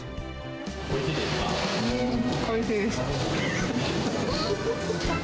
おいしいですか？